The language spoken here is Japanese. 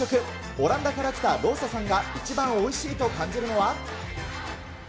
オランダから来たローサさんが一番おいしいと感じるのは。